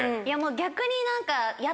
逆に何か。